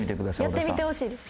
やってみてほしいです